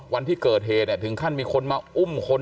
วันที่เกอร์เทเนี่ยถึงขั้นแล้วมีคนอุ้ม